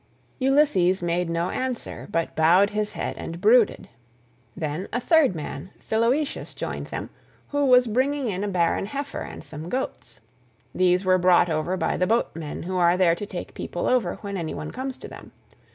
Ulysses made no answer, but bowed his head and brooded. Then a third man, Philoetius, joined them, who was bringing in a barren heifer and some goats. These were brought over by the boatmen who are there to take people over when any one comes to them.